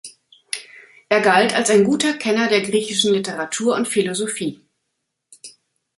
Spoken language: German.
Er galt als ein guter Kenner der griechischen Literatur und Philosophie.